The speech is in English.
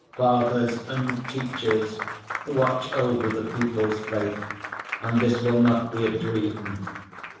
Fathers and teachers, watch over the people's faith and this will not be a dream.